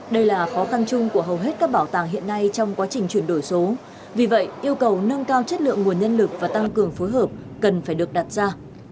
đây là khó khăn chung của hầu hết các bảo tàng hiện nay trong quá trình chuyển đổi số vì vậy yêu cầu nâng cao chất lượng nguồn nhân lực và tăng cường phối hợp cần phải được đặt ra